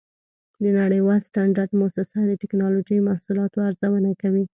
د نړیوال سټنډرډ مؤسسه د ټېکنالوجۍ محصولاتو ارزونه کوي.